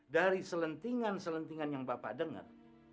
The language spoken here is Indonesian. dari selentingan selentingan yang bapak dengar